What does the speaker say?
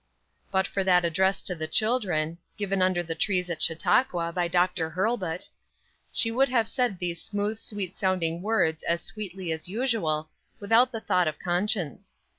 But for that address to the children, given under the trees at Chautauqua, by Dr. Hurlbut, she would have said these smooth, sweet sounding words as sweetly as usual, without a thought of conscience.